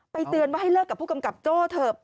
เตือนว่าให้เลิกกับผู้กำกับโจ้เถอะ